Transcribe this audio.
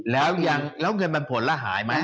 แล้วเงินมันผลแล้วหายไหม